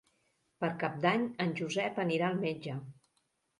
Per Cap d'Any en Josep anirà al metge.